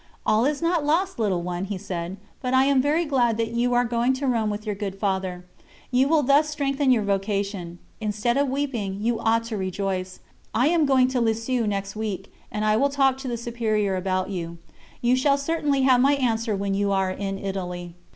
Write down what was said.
"All is not lost, little one," he said, "but I am very glad that you are going to Rome with your good Father; you will thus strengthen your vocation. Instead of weeping, you ought to rejoice. I am going to Lisieux next week, and I will talk to the Superior about you. You shall certainly have my answer when you are in Italy."